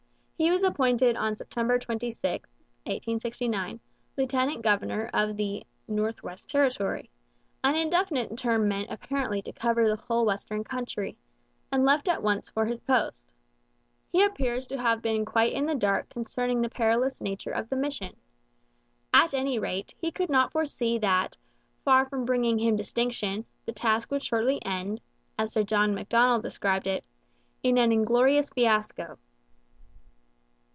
He was appointed on September 26, 1869, lieutenant governor of the 'North West Territory' an indefinite term meant apparently to cover the whole western country and left at once for his post. He appears to have been quite in the dark concerning the perilous nature of the mission. At any rate, he could not foresee that, far from bringing him distinction, the task would shortly end, as Sir John Macdonald described it, in an inglorious fiasco.